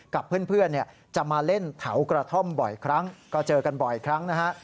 กับเพื่อนจะมาเล่นแถวกระท่อมบ่อยครั้งก็เจอกันบ่อยครั้งนะฮะ